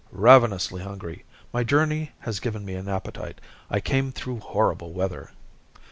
"Ravenously hungry. My journey has given me an appetite. I came through horrible weather."